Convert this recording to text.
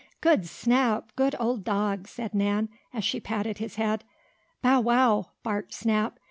"Good Snap! Good old dog!" said Nan, as she patted his head. "Bow wow!" barked Snap.